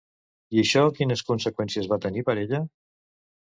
I això quines conseqüències va tenir per ella?